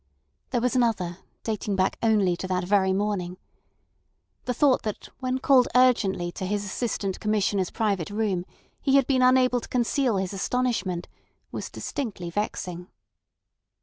There was another dating back only to that very morning. The thought that when called urgently to his Assistant Commissioner's private room he had been unable to conceal his astonishment was distinctly vexing.